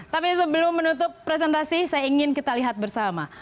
tapi sebelum menutup presentasi saya ingin kita lihat bersama